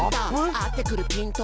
「合ってくるピント」